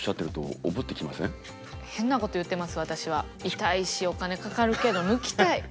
痛いしお金かかるけど抜きたい。